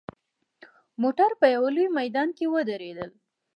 موټر په یوه لوی میدان کې ودرېدل.